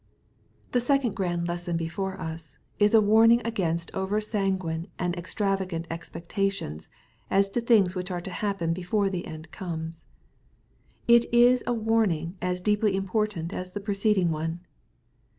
The second grand lesson before us, is a warniTig against over sanguine and extravagant expectations as to things which are to happen before the end comes. It is a warning as deeply important as the preceding one.